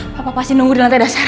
bapak pasti nunggu di lantai dasar